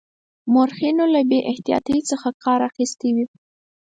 مورخینو له بې احتیاطی څخه کار اخیستی وي.